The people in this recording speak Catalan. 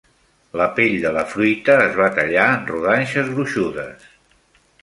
La pell de la fruita es va tallar en rodanxes gruixudes.